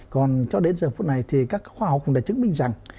còn cho đến giờ phút này thì các khoa học cũng đã chứng minh rằng